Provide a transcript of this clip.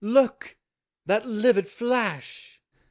look! that livid flash!